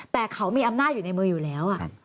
แต่เขามีอำนาจอยู่ในมืออยู่แล้ว